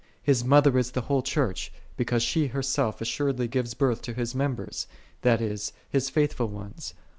His mother is the whole Church, because she herself assuredly gives birth to His members, that is, His faithful ones.